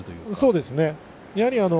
そうですね。